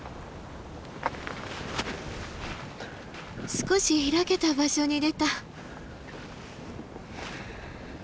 少し開けた場所に出た。